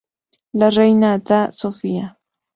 La Reina Dª Sofía.